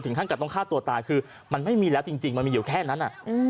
ท่านกับต้องฆ่าตัวตายคือมันไม่มีแล้วจริงมันมีอยู่แค่นั้น